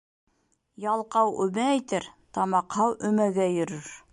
Ялҡау өмә әйтер, тамаҡһау өмәгә йөрөр.